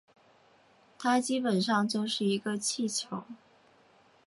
它基本上就是一个气球